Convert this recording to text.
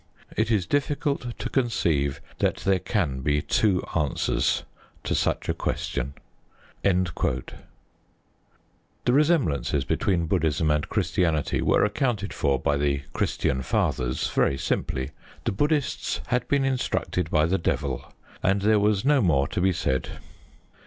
It is difficult to conceive that there can be two answers to such a question. The resemblances between Buddhism and Christianity were accounted for by the Christian Fathers very simply. The Buddhists had been instructed by the Devil, and there was no more to be said.